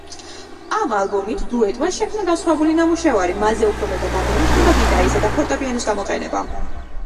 ამ ალბომით დუეტმა შექმნა განსხვავებული ნამუშევარი, მასზე უფრო მეტად აღინიშნება გიტარისა და ფორტეპიანოს გამოყენება.